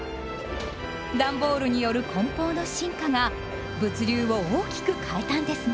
ダンボールによる梱包の進化が物流を大きく変えたんですね。